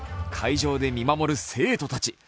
会場で見守る生徒たち。